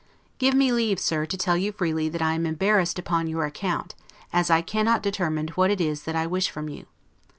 Give me leave, Sir, to tell you freely, that I am embarrassed upon your account, as I cannot determine what it is that I wish from you.